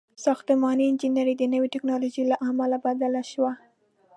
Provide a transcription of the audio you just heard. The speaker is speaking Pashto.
• ساختماني انجینري د نوې ټیکنالوژۍ له امله بدله شوه.